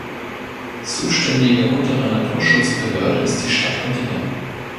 Zuständige untere Naturschutzbehörde ist die Stadt Göttingen.